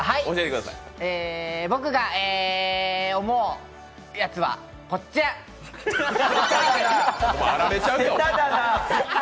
僕が思うやつはこちら。